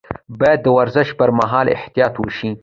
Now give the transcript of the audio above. باید د ورزش پر مهال احتیاط وشي.